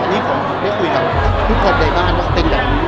วันนี้ขอได้คุยกับทุกคนในบ้านก็เป็นอย่างนี้